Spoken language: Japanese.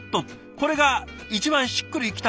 これが一番しっくりきたそうで。